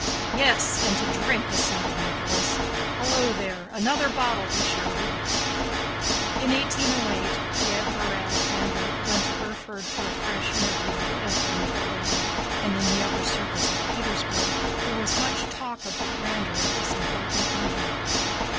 "Yes, and to drink," assented Nicholas. "Hullo there! Another bottle!" he shouted. In 1808 the Emperor Alexander went to Erfurt for a fresh interview with the Emperor Napoleon, and in the upper circles of Petersburg there was much talk of the grandeur of this important meeting.